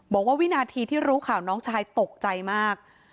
วินาทีที่รู้ข่าวน้องชายตกใจมาก